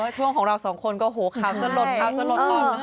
เท่าที่ของเราสองคนข้าวสะหร่นมากงั้นเลย